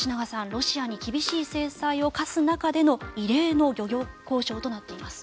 ロシアに厳しい制裁を科す中での異例の漁業交渉となっています。